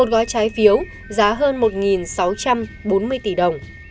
một gói trái phiếu giá hơn một sáu trăm bốn mươi tỷ đồng